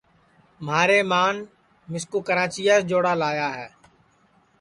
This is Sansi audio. مھاری مان مِسکُو کراچیاس جوڑا لایا ہے